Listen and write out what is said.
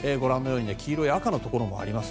黄色のところもあります。